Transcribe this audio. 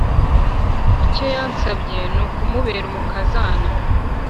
icyo yansabye nukumubera umukazana